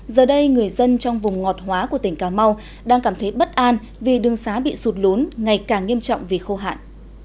giờ đây người dân trong vùng ngọt hóa của tỉnh cà mau đang cảm thấy bất an vì đường xá bị sụt lún ngày càng nghiêm trọng vì khô hạn